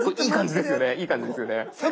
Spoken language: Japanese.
いい感じですよね。